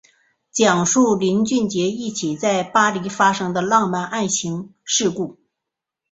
讲述林俊杰一起在巴黎发生的浪漫爱情故事。